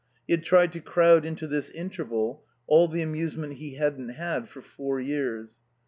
He had tried to crowd into this interval all the amusement he hadn't had for four years.